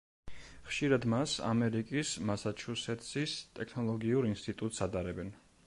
ხშირად მას ამერიკის მასაჩუსეტსის ტექნოლოგიურ ინსტიტუტს ადარებენ.